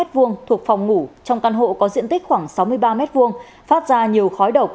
thuộc phòng ngủ trong căn hộ có diện tích khoảng sáu mươi ba m hai phát ra nhiều khói độc